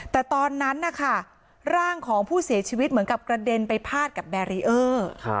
แต่ตอนนั้นนะคะร่างของผู้เสียชีวิตเหมือนกับกระเด็นไปพาดกับแบรีเออร์